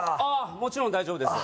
もちろん大丈夫ですよ